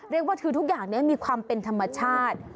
เรียกว่าคือทุกอย่างนี้มีความเป็นธรรมชาติ